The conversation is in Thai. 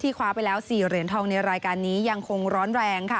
ก็จะกวาดเหรียญทองทุกรุ่นที่ลงแข่งขันในอีเวนนี้ค่ะ